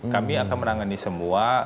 kami akan menangani semua